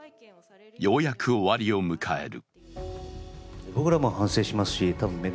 ようやく終わりを迎える。